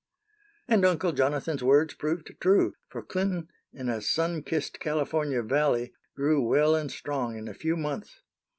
And Uncle Jonathan's words proved true; for Clinton, in a sun kissed California valley, grew well and strong in a few months.